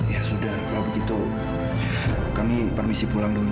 ya sudah kalau begitu kami permisi pulang dulu